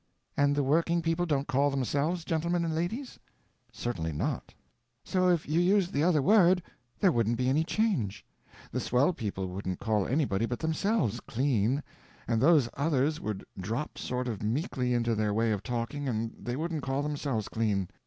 "And the working people don't call themselves gentlemen and ladies?" "Certainly not." "So if you used the other word there wouldn't be any change. The swell people wouldn't call anybody but themselves 'clean,' and those others would drop sort of meekly into their way of talking and they wouldn't call themselves clean.